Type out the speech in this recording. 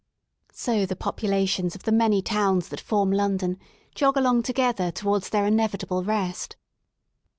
So the populations of the many towns that form London jog along together towards their inevit able rest.